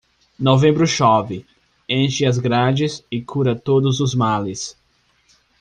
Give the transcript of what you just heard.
Novembro chove, enche as grades e cura todos os males.